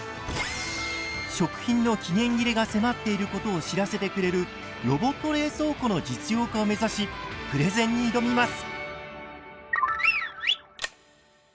食品の期限切れが迫っていることを知らせてくれるロボット冷蔵庫の実用化を目指しプレゼンに挑みます。